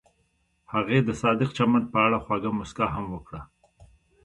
هغې د صادق چمن په اړه خوږه موسکا هم وکړه.